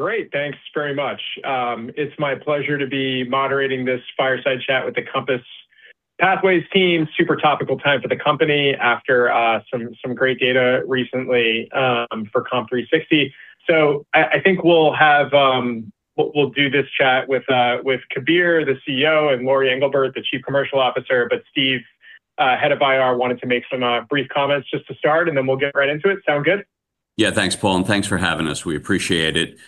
Great. Thanks very much. It's my pleasure to be moderating this fireside chat with the COMPASS Pathways team. Super topical time for the company after some great data recently for COMP360. I think we'll do this chat with Kabir, the CEO, and Lori Englebert, the Chief Commercial Officer. Steve, head of IR, wanted to make some brief comments just to start, and then we'll get right into it. Sound good? Yeah, thanks, Paul, and thanks for having us. We appreciate it.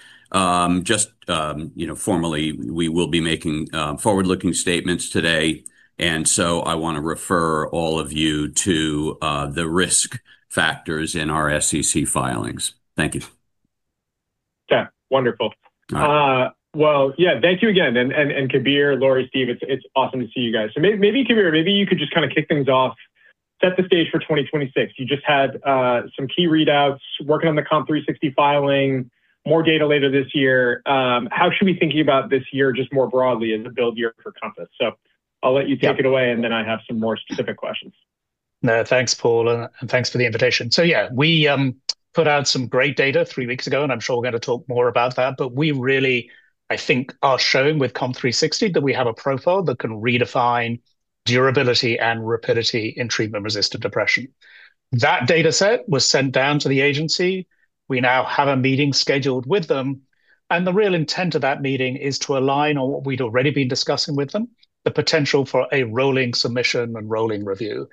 Just, you know, formally, we will be making forward-looking statements today, and so I wanna refer all of you to the risk factors in our SEC filings. Thank you. Yeah. Wonderful. All right. Well, yeah, thank you again. Kabir, Lori, Steve, it's awesome to see you guys. Maybe Kabir, maybe you could just kind of kick things off, set the stage for 2026. You just had some key readouts working on the COMP360 filing, more data later this year. How should we be thinking about this year just more broadly as a build year for COMPASS? I'll let you- Yeah. Take it away, and then I have some more specific questions. No, thanks, Paul, and thanks for the invitation. Yeah, we put out some great data three weeks ago, and I'm sure we're gonna talk more about that. We really, I think, are showing with COMP360 that we have a profile that can redefine durability and rapidity in treatment-resistant depression. That data set was sent down to the agency. We now have a meeting scheduled with them, and the real intent of that meeting is to align on what we'd already been discussing with them, the potential for a rolling submission and rolling review.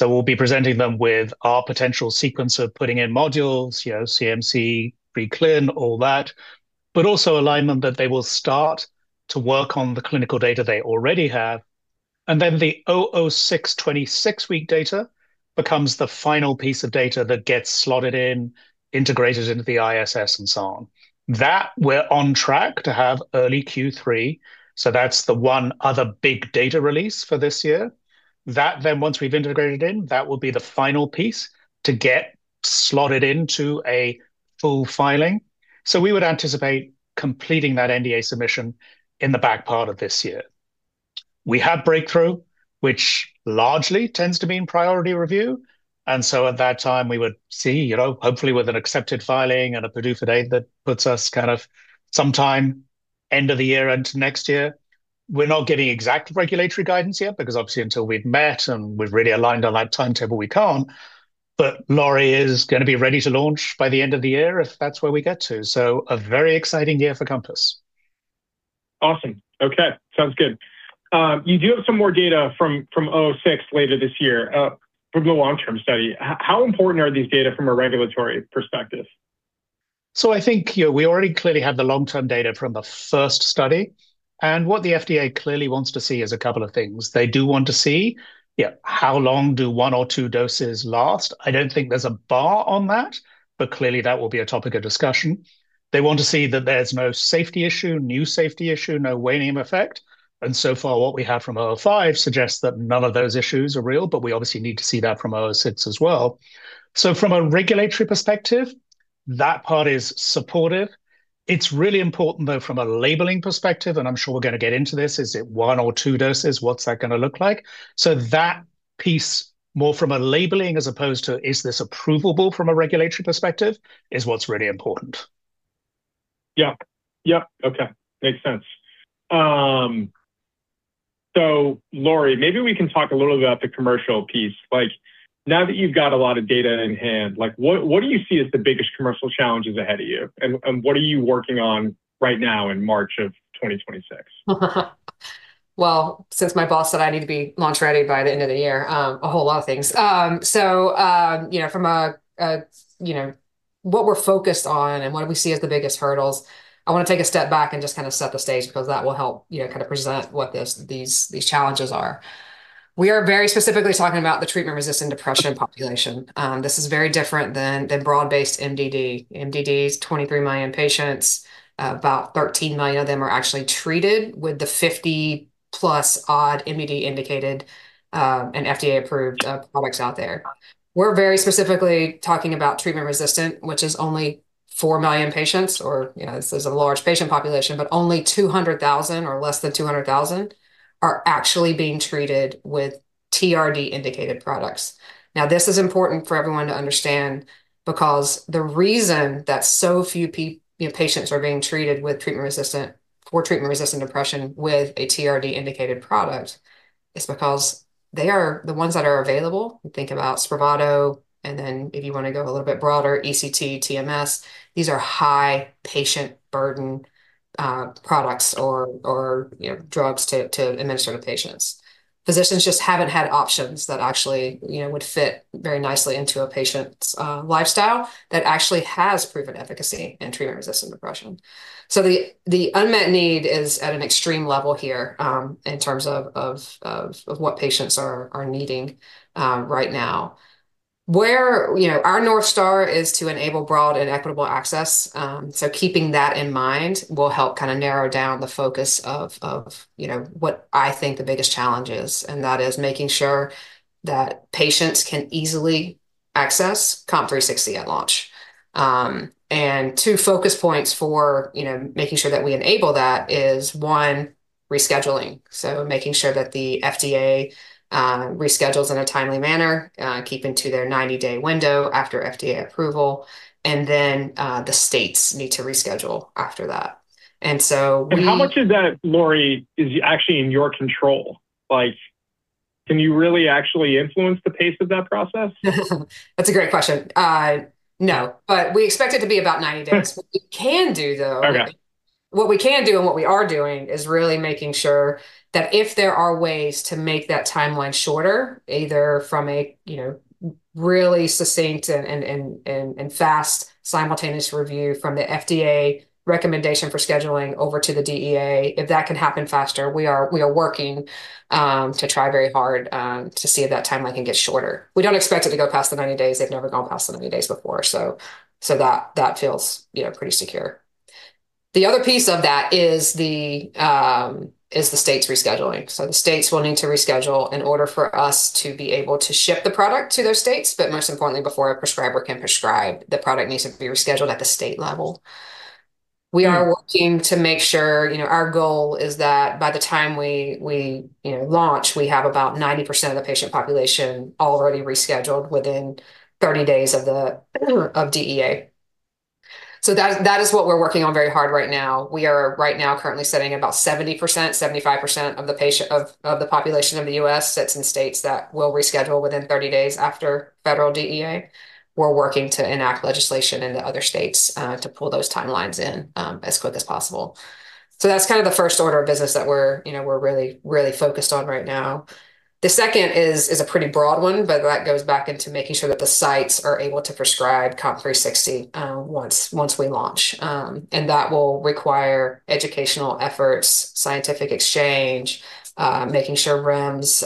We'll be presenting them with our potential sequence of putting in modules, you know, CMC, pre-clin, all that, but also align them that they will start to work on the clinical data they already have, and then the COMP006 26-week data becomes the final piece of data that gets slotted in, integrated into the ISS and so on. That we're on track to have early Q3, so that's the one other big data release for this year. That then once we've integrated in, that will be the final piece to get slotted into a full filing. We would anticipate completing that NDA submission in the back part of this year. We have breakthrough, which largely tends to mean priority review, and so at that time we would see, you know, hopefully with an accepted filing and a PDUFA date that puts us kind of sometime end of the year into next year. We're not getting exact regulatory guidance yet because obviously until we've met and we've really aligned on that timetable, we can't. Lori is gonna be ready to launch by the end of the year if that's where we get to. A very exciting year for COMPASS. Awesome. Okay. Sounds good. You do have some more data from COMP006 later this year from the long-term study. How important are these data from a regulatory perspective? I think, you know, we already clearly have the long-term data from the first study, and what the FDA clearly wants to see is a couple of things. They do want to see, yeah, how long do one or two doses last? I don't think there's a bar on that, but clearly that will be a topic of discussion. They want to see that there's no safety issue, new safety issue, no waning effect. So far what we have from COMP005 suggests that none of those issues are real, but we obviously need to see that from COMP006 as well. From a regulatory perspective, that part is supportive. It's really important though from a labeling perspective, and I'm sure we're gonna get into this, is it one or two doses? What's that gonna look like? That piece more from a labeling as opposed to is this approvable from a regulatory perspective is what's really important. Yeah. Yeah. Okay. Makes sense. Lori, maybe we can talk a little about the commercial piece. Like, now that you've got a lot of data in hand, like what do you see as the biggest commercial challenges ahead of you? And what are you working on right now in March of 2026? Well, since my boss said I need to be launch-ready by the end of the year, a whole lot of things. You know, from a you know, what we're focused on and what we see as the biggest hurdles, I wanna take a step back and just kind of set the stage because that will help, you know, kind of present what these challenges are. We are very specifically talking about the treatment-resistant depression population. This is very different than broad-based MDD. MDD is 23 million patients. About 13 million of them are actually treated with the 50+ odd MDD indicated, and FDA-approved products out there. We're very specifically talking about treatment-resistant, which is only 4 million patients, you know, this is a large patient population, but only 200,000 or less than 200,000 are actually being treated with TRD-indicated products. Now, this is important for everyone to understand because the reason that so few patients are being treated for treatment-resistant depression with a TRD-indicated product is because they are the ones that are available. Think about SPRAVATO, and then if you wanna go a little bit broader, ECT, TMS. These are high patient burden products or you know, drugs to administer to patients. Physicians just haven't had options that actually you know, would fit very nicely into a patient's lifestyle that actually has proven efficacy in treatment-resistant depression. The unmet need is at an extreme level here, in terms of what patients are needing right now. You know, our North Star is to enable broad and equitable access, so keeping that in mind will help kind of narrow down the focus of, you know, what I think the biggest challenge is, and that is making sure that patients can easily access COMP360 at launch. Two focus points for, you know, making sure that we enable that is one, rescheduling. Making sure that the FDA reschedules in a timely manner, keeping to their 90-day window after FDA approval, and then, the states need to reschedule after that. And so we- How much of that, Lori, is actually in your control? Like, can you really actually influence the pace of that process? That's a great question. No. We expect it to be about 90 days. What we can do, though. Okay What we can do and what we are doing is really making sure that if there are ways to make that timeline shorter, either from a, you know, really succinct and fast simultaneous review from the FDA recommendation for scheduling over to the DEA, if that can happen faster, we are working to try very hard to see if that timeline can get shorter. We don't expect it to go past the 90 days. They've never gone past the 90 days before, so that feels, you know, pretty secure. The other piece of that is the states rescheduling. The states will need to reschedule in order for us to be able to ship the product to those states, but most importantly, before a prescriber can prescribe, the product needs to be rescheduled at the state level. Mm. We are working to make sure, you know, our goal is that by the time we, you know, launch, we have about 90% of the patient population already rescheduled within 30 days of DEA. That is what we're working on very hard right now. We are right now currently sitting about 70%-75% of the patient population of the U.S. sits in states that will reschedule within 30 days after federal DEA. We're working to enact legislation in the other states to pull those timelines in as quick as possible. That's kind of the first order of business that we're, you know, really focused on right now. The second is a pretty broad one, but that goes back into making sure that the sites are able to prescribe COMP360 once we launch. That will require educational efforts, scientific exchange, making sure REMS,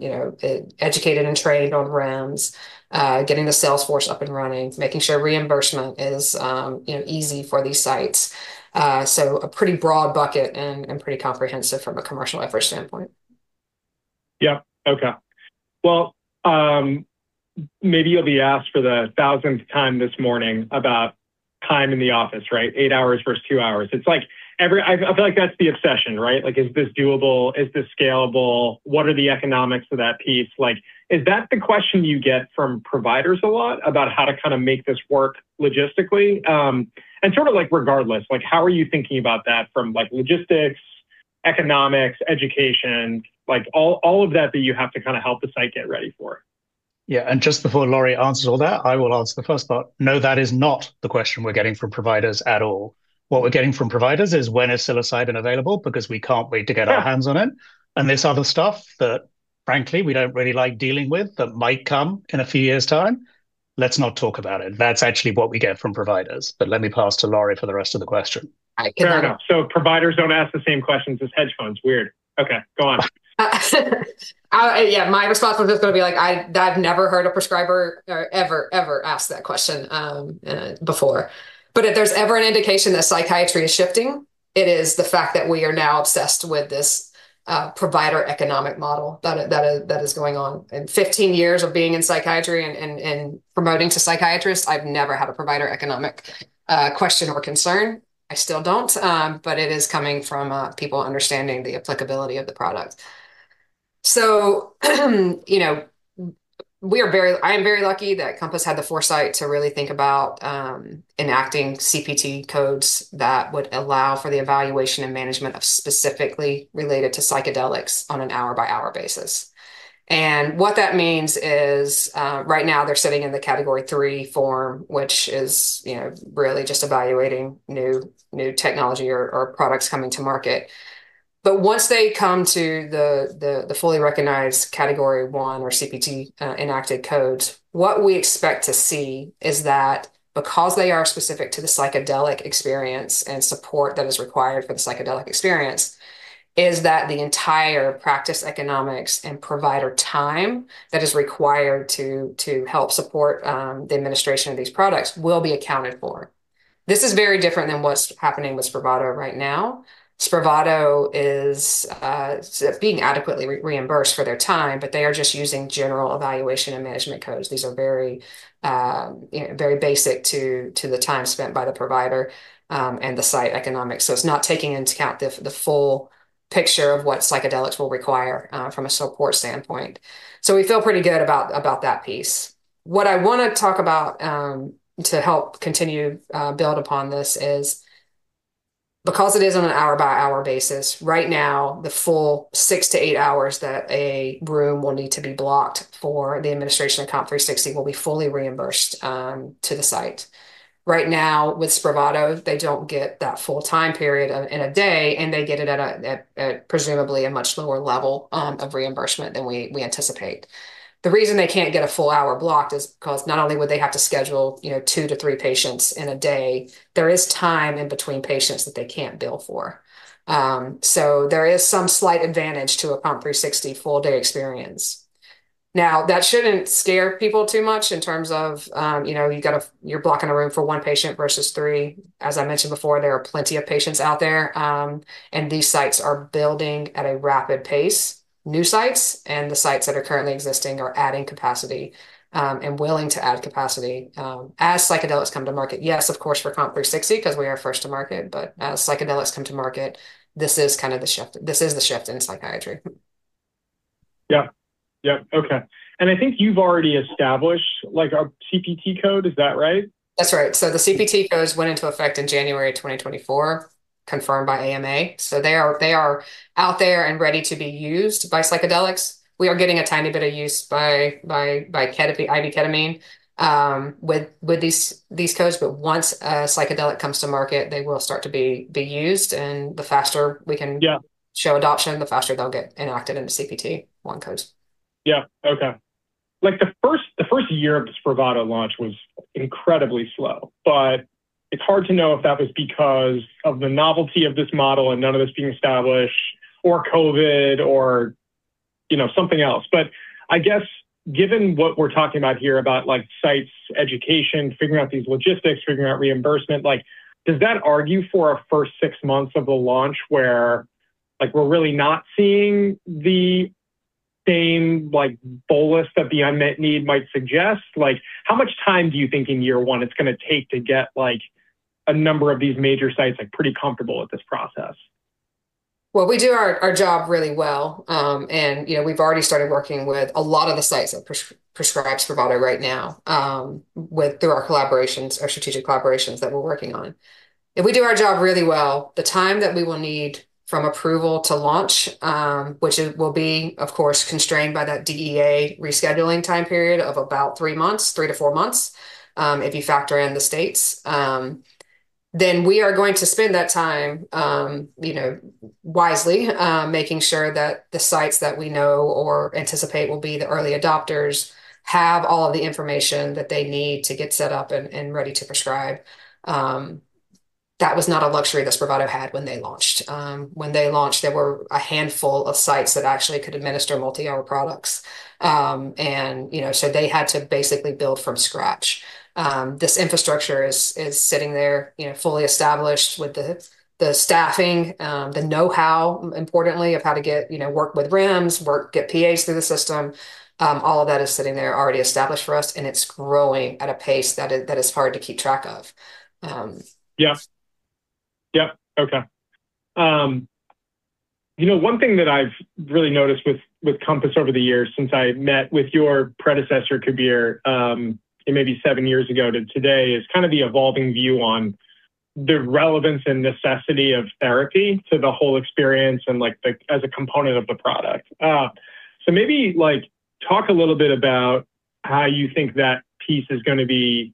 you know, educated and trained on REMS, getting the sales force up and running, making sure reimbursement is, you know, easy for these sites. A pretty broad bucket and pretty comprehensive from a commercial effort standpoint. Yeah. Okay. Well, maybe you'll be asked for the thousandth time this morning about time in the office, right? Eight hours versus two hours. It's like I feel like that's the obsession, right? Like, is this doable? Is this scalable? What are the economics of that piece? Like, is that the question you get from providers a lot about how to kind of make this work logistically? And sort of like regardless, like how are you thinking about that from like logistics, economics, education, like all of that that you have to kind of help the site get ready for? Yeah. Just before Lori answers all that, I will answer the first part. No, that is not the question we're getting from providers at all. What we're getting from providers is, "When is psilocybin available? Because we can't wait to get our hands on it. Yeah. This other stuff that frankly we don't really like dealing with that might come in a few years' time, let's not talk about it." That's actually what we get from providers. Let me pass to Lori for the rest of the question. I cannot- Fair enough. Providers don't ask the same questions as hedge funds. Weird. Okay. Go on. Yeah. My response was just gonna be like I've never heard a prescriber ever ask that question before. If there's ever an indication that psychiatry is shifting, it is the fact that we are now obsessed with this provider economic model that is going on. In 15 years of being in psychiatry and promoting to psychiatrists, I've never had a provider economic question or concern. I still don't. It is coming from people understanding the applicability of the product. You know, I am very lucky that COMPASS had the foresight to really think about enacting CPT codes that would allow for the evaluation and management of specifically related to psychedelics on an hour-by-hour basis. What that means is, right now they're sitting in the Category III form, which is, you know, really just evaluating new technology or products coming to market. Once they come to the fully recognized Category I or CPT enacted codes, what we expect to see is that because they are specific to the psychedelic experience and support that is required for the psychedelic experience, is that the entire practice economics and provider time that is required to help support the administration of these products will be accounted for. This is very different than what's happening with SPRAVATO right now. SPRAVATO is being adequately reimbursed for their time, but they are just using general evaluation and management codes. These are very, you know, very basic to the time spent by the provider and the site economics. It's not taking into account the full picture of what psychedelics will require from a support standpoint. We feel pretty good about that piece. What I wanna talk about to help continue build upon this is because it is on an hour-by-hour basis. Right now the full six-eight hours that a room will need to be blocked for the administration of COMP360 will be fully reimbursed to the site. Right now with SPRAVATO, they don't get that full time period in a day, and they get it at presumably a much lower level of reimbursement than we anticipate. The reason they can't get a full hour blocked is because not only would they have to schedule, you know, two-three patients in a day, there is time in between patients that they can't bill for. There is some slight advantage to a COMP360 full-day experience. Now, that shouldn't scare people too much in terms of, you know, you're blocking a room for one patient versus three. As I mentioned before, there are plenty of patients out there, and these sites are building at a rapid pace. New sites and the sites that are currently existing are adding capacity, and willing to add capacity, as psychedelics come to market. Yes, of course, for COMP360 'cause we are first to market, but as psychedelics come to market, this is kind of the shift. This is the shift in psychiatry. Yeah. Yeah. Okay. I think you've already established, like, a CPT code, is that right? That's right. The CPT codes went into effect in January 2024, confirmed by AMA. They are out there and ready to be used by psychedelics. We are getting a tiny bit of use by IV ketamine with these codes. Once a psychedelic comes to market, they will start to be used. The faster we can- Yeah show adoption, the faster they'll get enacted into CPT Category I codes. Yeah. Okay. Like, the first year of the SPRAVATO launch was incredibly slow, but it's hard to know if that was because of the novelty of this model and none of it's being established or COVID or, you know, something else. I guess given what we're talking about here about, like, sites, education, figuring out these logistics, figuring out reimbursement, like, does that argue for our first six months of a launch where, like, we're really not seeing the same, like, bolus that the unmet need might suggest? Like, how much time do you think in year one it's gonna take to get, like, a number of these major sites, like, pretty comfortable with this process? Well, we do our job really well. You know, we've already started working with a lot of the sites that prescribe SPRAVATO right now, through our collaborations, our strategic collaborations that we're working on. If we do our job really well, the time that we will need from approval to launch, which it will be, of course, constrained by that DEA rescheduling time period of about three months, three-four months, if you factor in the states, then we are going to spend that time, you know, wisely, making sure that the sites that we know or anticipate will be the early adopters have all of the information that they need to get set up and ready to prescribe. That was not a luxury that SPRAVATO had when they launched. When they launched, there were a handful of sites that actually could administer multi-hour products. You know, they had to basically build from scratch. This infrastructure is sitting there, you know, fully established with the staffing, the know-how, importantly, of how to get, you know, work with REMS, get PAs through the system. All of that is sitting there already established for us, and it's growing at a pace that is hard to keep track of. Yeah. Yep. Okay. You know, one thing that I've really noticed with COMPASS over the years since I met with your predecessor, Kabir, it may be seven years ago to today, is kind of the evolving view on the relevance and necessity of therapy to the whole experience and, like, as a component of the product. So maybe, like, talk a little bit about how you think that piece is gonna be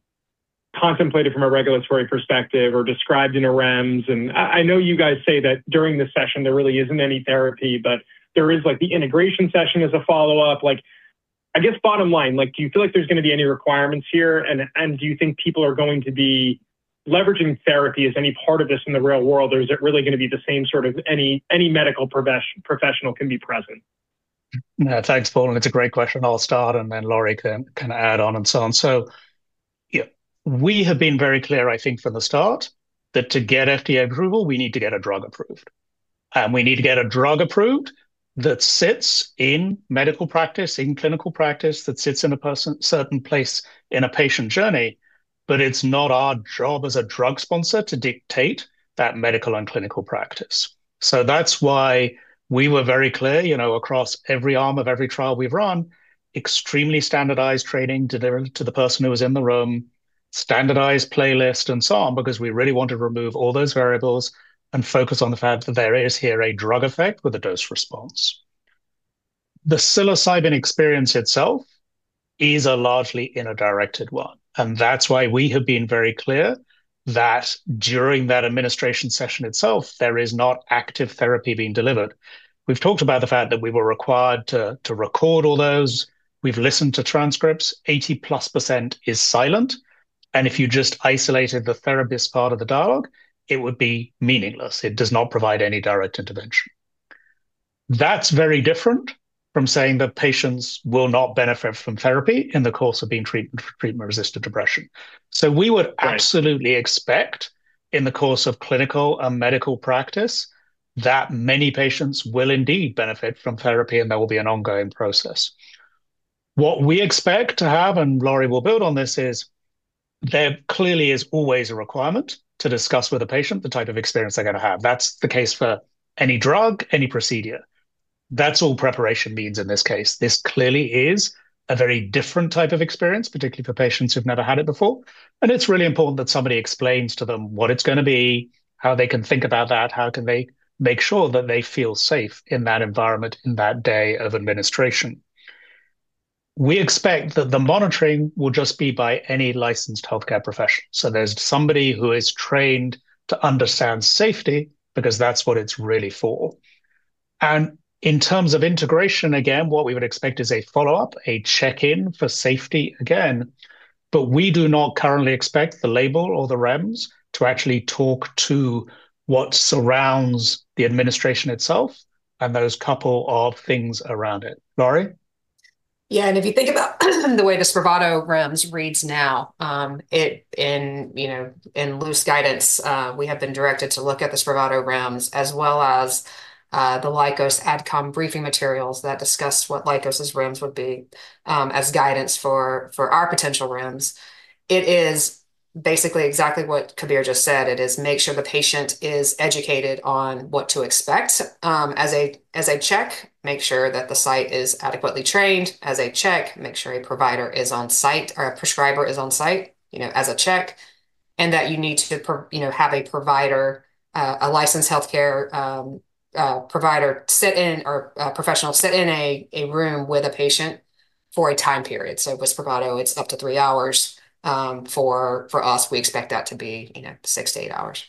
contemplated from a regulatory perspective or described in a REMS. I know you guys say that during the session, there really isn't any therapy, but there is, like, the integration session as a follow-up. Like, I guess bottom line, like, do you feel like there's gonna be any requirements here? Do you think people are going to be leveraging therapy as any part of this in the real world, or is it really gonna be the same sort of any medical professional can be present? Yeah. Thanks, Paul, and it's a great question. I'll start, and then Lori can add on and so on. Yeah, we have been very clear, I think, from the start that to get FDA approval, we need to get a drug approved, and we need to get a drug approved that sits in medical practice, in clinical practice, that sits in a certain place in a patient journey, but it's not our job as a drug sponsor to dictate that medical and clinical practice. That's why we were very clear, you know, across every arm of every trial we've run, extremely standardized training delivered to the person who was in the room, standardized playlist, and so on because we really want to remove all those variables and focus on the fact that there is here a drug effect with a dose response. The psilocybin experience itself is a largely inner-directed one, and that's why we have been very clear that during that administration session itself, there is not active therapy being delivered. We've talked about the fact that we were required to record all those. We've listened to transcripts. 80%+ is silent, and if you just isolated the therapist part of the dialogue, it would be meaningless. It does not provide any direct intervention. That's very different from saying that patients will not benefit from therapy in the course of being treated for treatment-resistant depression. Right We absolutely expect in the course of clinical and medical practice that many patients will indeed benefit from therapy, and there will be an ongoing process. What we expect to have, and Lori will build on this, is there clearly is always a requirement to discuss with a patient the type of experience they're gonna have. That's the case for any drug, any procedure. That's all preparation means in this case. This clearly is a very different type of experience, particularly for patients who've never had it before, and it's really important that somebody explains to them what it's gonna be, how they can think about that, how can they make sure that they feel safe in that environment, in that day of administration. We expect that the monitoring will just be by any licensed healthcare professional. There's somebody who is trained to understand safety because that's what it's really for. In terms of integration, again, what we would expect is a follow-up, a check-in for safety again, but we do not currently expect the label or the REMS to actually talk to what surrounds the administration itself and those couple of things around it. Lori? Yeah. If you think about the way the SPRAVATO REMS reads now, in loose guidance, you know, we have been directed to look at the SPRAVATO REMS as well as the Lykos Adcomm briefing materials that discuss what Lykos' REMS would be, as guidance for our potential REMS. It is basically exactly what Kabir just said. It is make sure the patient is educated on what to expect. As a check, make sure that the site is adequately trained. As a check, make sure a provider is on site or a prescriber is on site, you know, as a check. That you need to, you know, have a provider, a licensed healthcare provider sit in or a professional sit in a room with a patient for a time period. With SPRAVATO, it's up to three hours. For us, we expect that to be, you know, six-eight hours.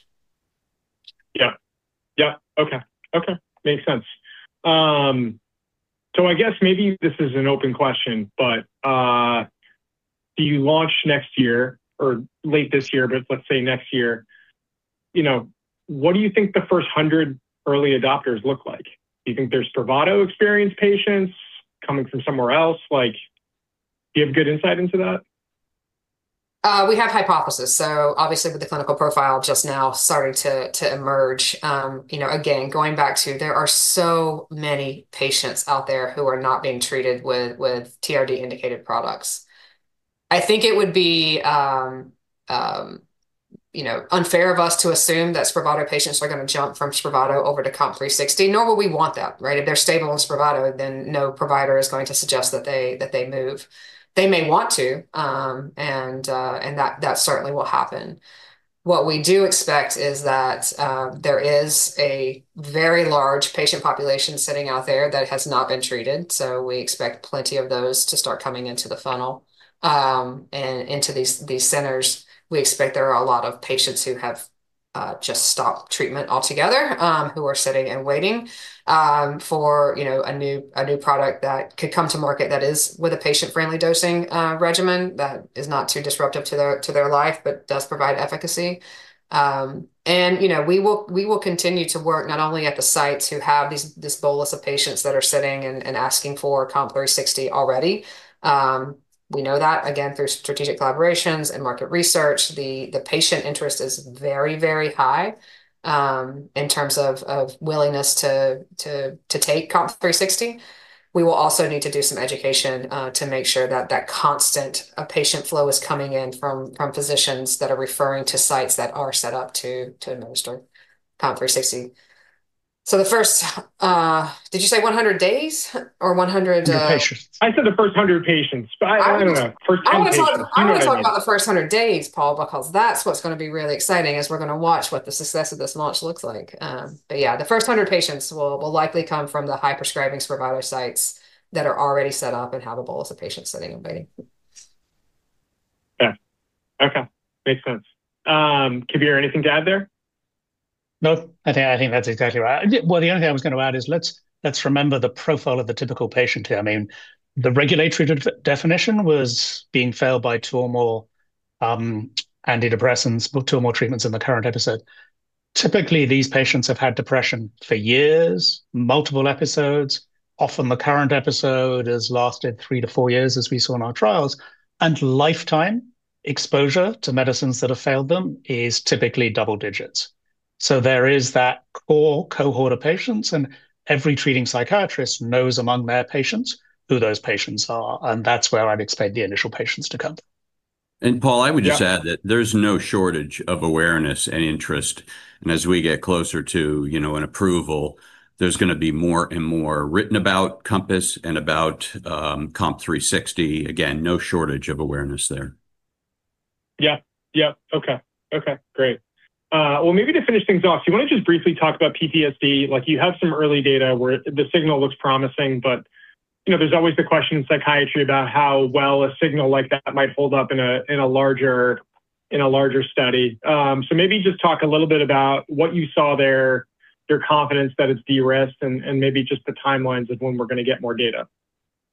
Yeah. Okay. Makes sense. I guess maybe this is an open question, but do you launch next year or late this year, but let's say next year, you know, what do you think the first 100 early adopters look like? Do you think they're SPRAVATO experienced patients coming from somewhere else? Like, do you have good insight into that? We have hypotheses. Obviously with the clinical profile just now starting to emerge, you know, again, going back to there are so many patients out there who are not being treated with TRD indicated products. I think it would be, you know, unfair of us to assume that SPRAVATO patients are gonna jump from SPRAVATO over to COMP360, nor would we want that, right? If they're stable on SPRAVATO, then no provider is going to suggest that they move. They may want to, and that certainly will happen. What we do expect is that there is a very large patient population sitting out there that has not been treated, so we expect plenty of those to start coming into the funnel, and into these centers. We expect there are a lot of patients who have just stopped treatment altogether, who are sitting and waiting for, you know, a new product that could come to market that is with a patient-friendly dosing regimen that is not too disruptive to their life, but does provide efficacy. You know, we will continue to work not only at the sites who have this bolus of patients that are sitting and asking for COMP360 already. We know that again through strategic collaborations and market research. The patient interest is very high in terms of willingness to take COMP360. We will also need to do some education to make sure that constant patient flow is coming in from physicians that are referring to sites that are set up to administer COMP360. The first, did you say 100 days or 100? Patients. I said the first 100 patients. I don't know. First 100 patients. I wanna talk about the first 100 days, Paul, because that's what's gonna be really exciting is we're gonna watch what the success of this launch looks like. Yeah, the first 100 patients will likely come from the high prescribing SPRAVATO sites that are already set up and have a bolus of patients sitting and waiting. Yeah. Okay. Makes sense. Kabir, anything to add there? No. I think that's exactly right. Well, the only thing I was gonna add is let's remember the profile of the typical patient here. I mean, the regulatory definition was being failed by two or more antidepressants, or two or more treatments in the current episode. Typically, these patients have had depression for years, multiple episodes. Often the current episode has lasted three to four years, as we saw in our trials. Lifetime exposure to medicines that have failed them is typically double digits. There is that core cohort of patients, and every treating psychiatrist knows among their patients who those patients are, and that's where I'd expect the initial patients to come. Paul, I would just add that there's no shortage of awareness and interest. As we get closer to, you know, an approval, there's gonna be more and more written about COMPASS and about, COMP360. Again, no shortage of awareness there. Yeah. Okay, great. Well, maybe to finish things off, do you wanna just briefly talk about PTSD? Like you have some early data where the signal looks promising, but, you know, there's always the question in psychiatry about how well a signal like that might hold up in a larger study. So maybe just talk a little bit about what you saw there, your confidence that it's de-risked, and maybe just the timelines of when we're gonna get more data.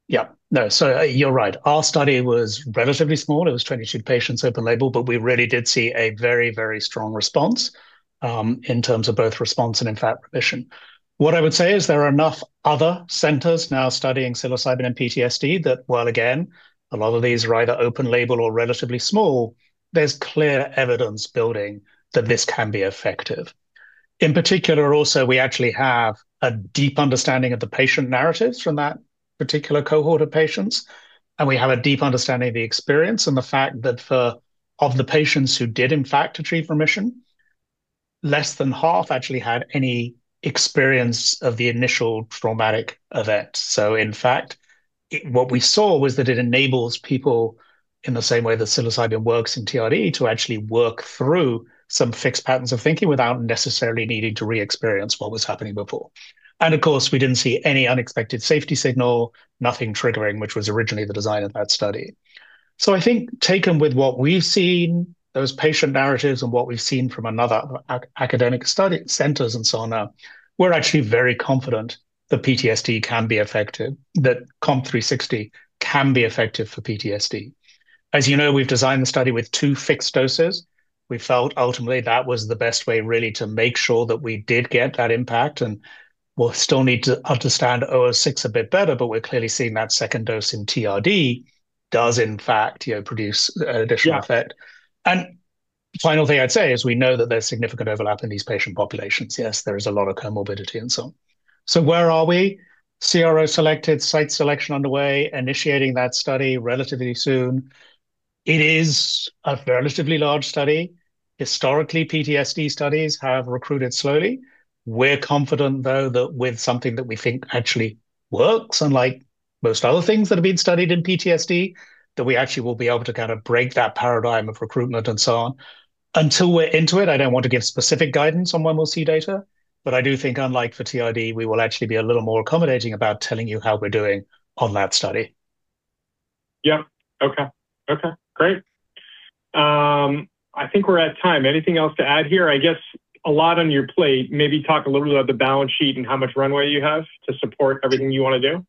Yeah. No. You're right. Our study was relatively small. It was 22 patients open label, but we really did see a very, very strong response in terms of both response and in fact remission. What I would say is there are enough other centers now studying psilocybin and PTSD that while again, a lot of these are either open label or relatively small, there's clear evidence building that this can be effective. In particular also, we actually have a deep understanding of the patient narratives from that particular cohort of patients, and we have a deep understanding of the experience and the fact that for, of the patients who did in fact achieve remission, less than half actually had any experience of the initial traumatic event. In fact, what we saw was that it enables people in the same way that psilocybin works in TRD to actually work through some fixed patterns of thinking without necessarily needing to re-experience what was happening before. Of course, we didn't see any unexpected safety signal, nothing triggering, which was originally the design of that study. I think taken with what we've seen, those patient narratives and what we've seen from another academic study centers and so on, we're actually very confident that it can be effective for PTSD, that COMP360 can be effective for PTSD. As you know, we've designed the study with two fixed doses. We felt ultimately that was the best way really to make sure that we did get that impact, and we'll still need to understand COMP006 a bit better, but we're clearly seeing that second dose in TRD does in fact, you know, produce additional effect. Yeah. Final thing I'd say is we know that there's significant overlap in these patient populations. Yes, there is a lot of comorbidity and so on. Where are we? CRO selected, site selection underway, initiating that study relatively soon. It is a relatively large study. Historically, PTSD studies have recruited slowly. We're confident, though, that with something that we think actually works, unlike most other things that have been studied in PTSD, that we actually will be able to kind of break that paradigm of recruitment and so on. Until we're into it, I don't want to give specific guidance on when we'll see data, but I do think unlike for TRD, we will actually be a little more accommodating about telling you how we're doing on that study. Yeah. Okay. Okay, great. I think we're at time. Anything else to add here? I guess a lot on your plate. Maybe talk a little bit about the balance sheet and how much runway you have to support everything you wanna do.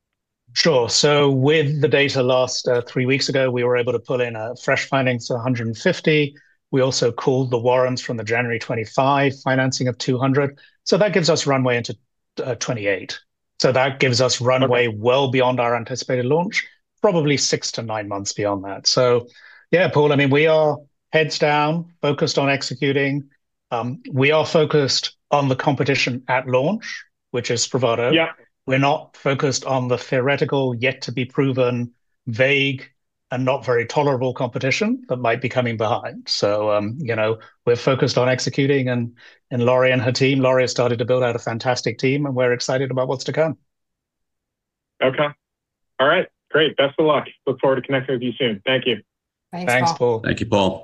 Sure. With the data last three weeks ago, we were able to pull in fresh findings, $150 million. We also called the warrants from the January 2025 financing of $200 million. That gives us runway into 2028. That gives us runway well beyond our anticipated launch, probably six-nine months beyond that. Yeah, Paul, I mean, we are heads down, focused on executing. We are focused on the competition at launch, which is SPRAVATO. Yeah. We're not focused on the theoretical yet to be proven vague and not very tolerable competition that might be coming behind. You know, we're focused on executing, and Lori and her team. Lori has started to build out a fantastic team, and we're excited about what's to come. Okay. All right, great. Best of luck. Look forward to connecting with you soon. Thank you. Thanks, Paul. Thanks, Paul.